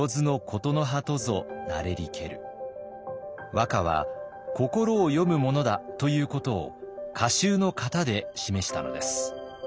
和歌は心を詠むものだということを歌集の型で示したのです。